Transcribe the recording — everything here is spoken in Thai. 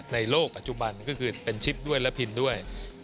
ในโลกปัจจุบันก็คือเป็นชิปด้วยและพินด้วย